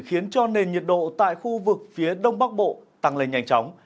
khiến cho nền nhiệt độ tại khu vực phía đông bắc bộ tăng lên nhanh chóng